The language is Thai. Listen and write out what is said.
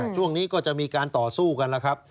ช่วงนี้ก็จะมีการต่อสู้กันแล้วครับ